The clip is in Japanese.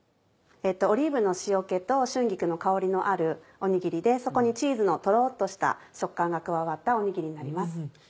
オリーブの塩気と春菊の香りのあるおにぎりでそこにチーズのトロっとした食感が加わったおにぎりになります。